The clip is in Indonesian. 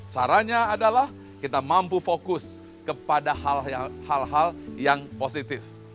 caranya adalah kita mampu fokus kepada hal hal yang positif